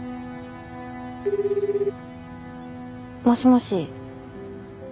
もしもし。